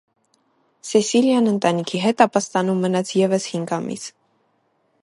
Սեսիլիան ընտանիքի հետ ապաստանում մնաց ևս հինգ ամիս։